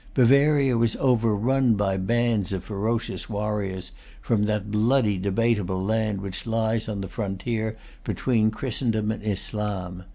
Bavaria was overrun by bands of ferocious warriors from that bloody debatable land which lies on the frontier between Christendom and Islam.